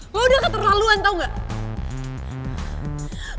lo udah keterlaluan tau gak